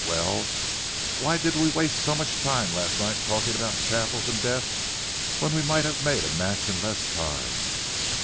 Well, why did we waste so much time last night talking about chapels and death when we might have made a match in less time?